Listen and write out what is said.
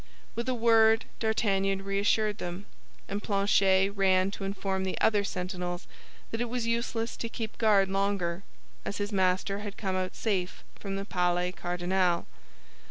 With a word, D'Artagnan reassured them; and Planchet ran to inform the other sentinels that it was useless to keep guard longer, as his master had come out safe from the Palais Cardinal.